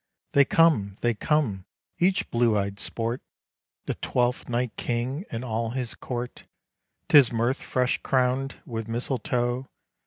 They come! they come! each blue eyed Sport, The Twelfth Night King and all his court 'Tis Mirth fresh crown'd with misletoe!